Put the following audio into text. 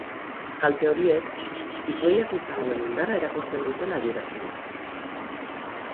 Kalte horiek, zikloiak izan duen indarra erakusten dutela adierazi du.